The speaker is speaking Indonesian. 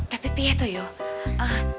tapi pia tuh yuk